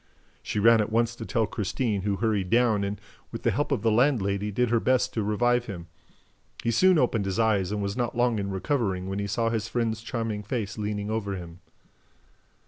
She ran at once to tell Christine, who hurried down and, with the help of the landlady, did her best to revive him. He soon opened his eyes and was not long in recovering when he saw his friend's charming face leaning over him.